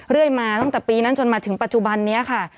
เรื่อยมาตั้งแต่ปีนั้นจนมาถึงปัจจุบันนี้ค่ะ